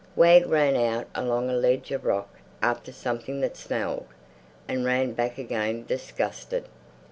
Wag ran out along a ledge of rock after something that smelled, and ran back again disgusted.